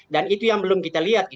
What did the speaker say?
dan itu yang belum kita lihat